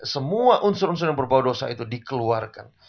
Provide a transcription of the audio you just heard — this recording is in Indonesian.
semua unsur unsur yang berbau dosa itu dikeluarkan